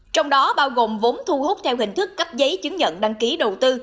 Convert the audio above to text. trong đó bao gồm vốn thu hút theo hình thức cấp giấy chứng nhận đăng ký đầu tư